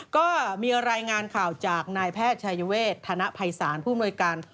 ก็มีรายงานข่าวจากนายแพทยเวศธนภัยสารผู้โมยการ